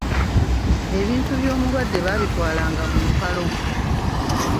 E bintu by'omulwadde baabitwalanga mu mpalo.